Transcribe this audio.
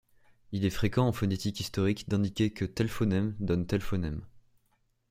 Il est fréquent en phonétique historique d'indiquer que tel phonème donne tel phonème.